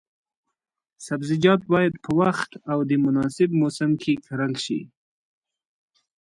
سبزیجات باید په وخت او د مناسب موسم کې کرل شي.